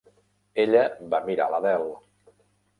Ella va mirar l'Adele.